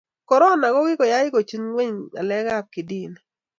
korona ko kikoai kochut nyweny ngalek ab kidini